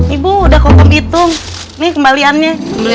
ibu udah kumpul hitung nih kembaliannya